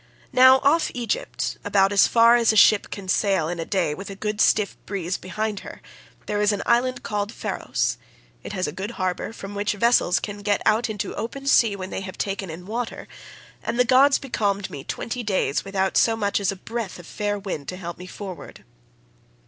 Now off Egypt, about as far as a ship can sail in a day with a good stiff breeze behind her, there is an island called Pharos—it has a good harbour from which vessels can get out into open sea when they have taken in water—and here the gods becalmed me twenty days without so much as a breath of fair wind to help me forward.